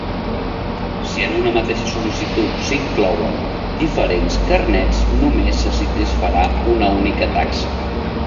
Si en una mateixa sol·licitud s'inclouen diferents carnets, només se satisfarà una única taxa.